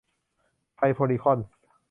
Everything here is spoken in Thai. ไทยโพลีคอนส์